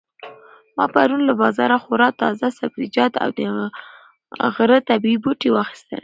ما پرون له بازاره خورا تازه سبزیجات او د غره طبیعي بوټي واخیستل.